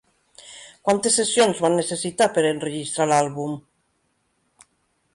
Quantes sessions van necessitar per enregistrar l'àlbum?